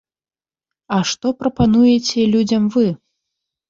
А што прапануеце людзям вы?